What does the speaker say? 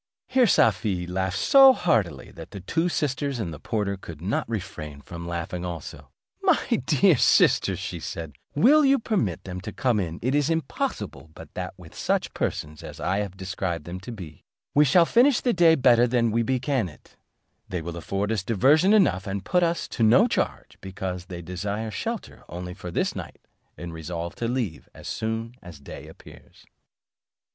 Here Safie laughed so heartily, that the two sisters and the porter could not refrain from laughing also. "My dear sisters," said she, "you will permit them to come in; it is impossible but that with such persons as I have described them to be, we shall finish the day better than we began it; they will afford us diversion enough, and put us to no charge, because they desire shelter only for this night, and resolve to leave us as soon as day appears."